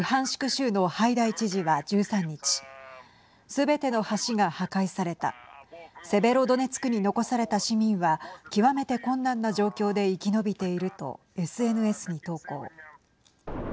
州のハイダイ知事は１３日すべての橋が破壊されたセベロドネツクに残された市民は極めて困難な状況で生き延びているとＳＮＳに投稿。